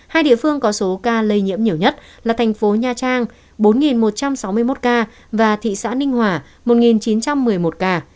hai địa phương có số ca lây nhiễm nhiều nhất là thành phố nha trang bốn một trăm sáu mươi một ca và thị xã ninh hòa một chín trăm một mươi một ca